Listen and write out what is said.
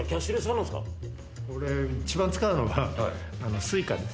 俺一番使うのがＳｕｉｃａです。